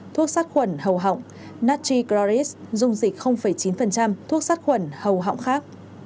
thuốc sát khuẩn hầu hỏng natchi chloris dung dịch chín thuốc sát khuẩn hầu hỏng khác